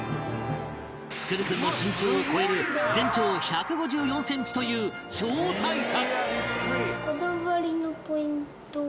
創君の身長を超える全長１５４センチという超大作！